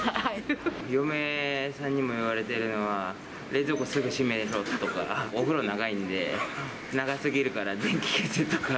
嫁さんにも言われているのが、冷蔵庫すぐ閉めろとか、お風呂長いんで、長すぎるから電気消せとか。